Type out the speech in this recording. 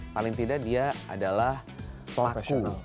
paling tidak dia adalah pelaku